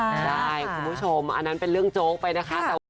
ใช่คุณผู้ชมอันนั้นเป็นเรื่องโจ๊กไปนะคะ